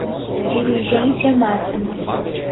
dirigência máxima